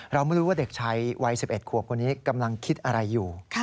เราไม่รู้ว่าเด็กชายวัย๑๑ขวบคนนี้กำลังคิดอะไรอยู่